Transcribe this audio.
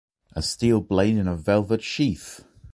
A steel blade in a velvet sheath!